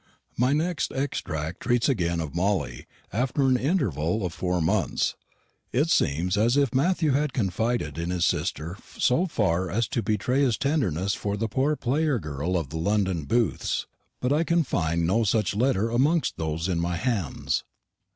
My next extract treats again of Mollie, after an interval of four months. It seems as if Matthew had confided in his sister so far as to betray his tenderness for the poor player girl of the London booths; but I can find no such letter amongst those in my hands.